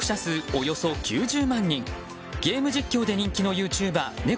およそ９０万人ゲーム実況で人気のユーチューバー、ね